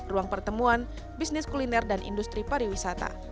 ruang pertemuan bisnis kuliner dan industri pariwisata